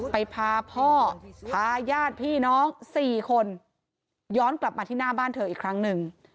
พาพ่อพาญาติพี่น้อง๔คนย้อนกลับมาที่หน้าบ้านเธออีกครั้งหนึ่ง